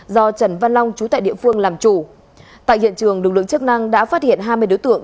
do trần văn long chú tại địa phương làm chủ tại hiện trường lực lượng chức năng đã phát hiện hai mươi đối tượng